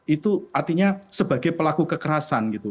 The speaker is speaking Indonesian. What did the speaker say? itu artinya sebagai pelaku kekerasan gitu